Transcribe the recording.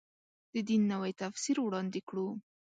د دین نوی تفسیر وړاندې کړو.